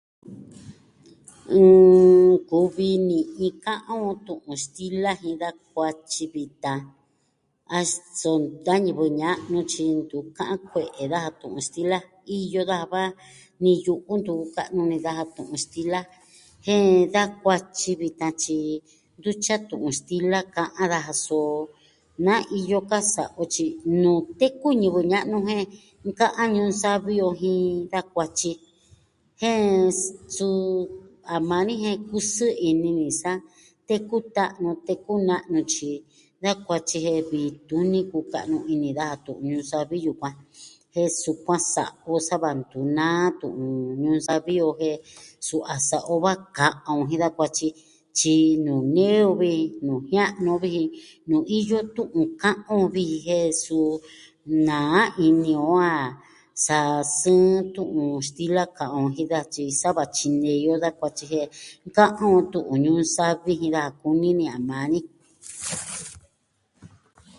Mm... kuvi ni jin ka'an on tu'un stila jin da kuatyi vitan. A suu tan ñivɨ ña'nu tyi ntu ka'an kue'e daja tu'un stila. iyo daja va niyu ntu ka'nu nee daja tu'un stila. Jen da kuatyi vitan tyi ntu tya tu'un stila ka'an daja so na iyo ka sa'a o tyi nuu teku ñivɨ ña'nu jen nka'an ñuu savi o jin da kuatyi. jen, suu a maa ni jen kusɨɨ ini ni sa teku ta'nu, teku na'nu tyi da kuatyi jen vii tuni kuka'nu ini daja tu'un ñuu savi yukuan. Jen sukuan sa'a o sa va ntu naa tu'un ñuu savi o jen suu a sa'a o va ka'an on jin da kuatyi tyi nuu nee o vi, nuu jia'nu vi ji nuu iyo tu'un ka'an on vi ji. Jen suu na'a ini o a sasɨɨn tu'un stila ka'an on jin da tyi sa va tyinei o da kuatyi jen nka'an on tu'un ñuu savi jin daja kuni ni a maa ni.